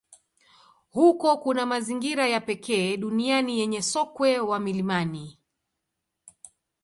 Huko kuna mazingira ya pekee duniani yenye sokwe wa milimani.